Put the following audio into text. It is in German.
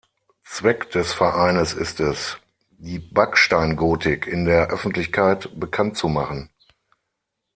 Zweck des Vereines ist es, die Backsteingotik in der Öffentlichkeit bekannt zu machen.